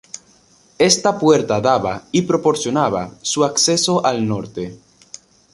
Esta puerta daba, y proporcionaba, su acceso al norte.